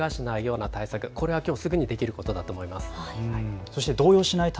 落ちてきても頭をけがしないような対策、これはすぐにできることだと思います。